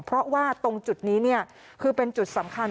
เพราะว่าตรงจุดนี้คือเป็นจุดสำคัญ